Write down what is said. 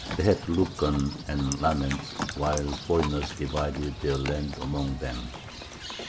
They had to look on and lament, while foreigners divided their land among them.